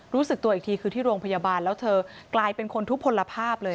รู้สึกตัวอีกทีคือที่โรงพยาบาลแล้วเธอกลายเป็นคนทุกผลภาพเลย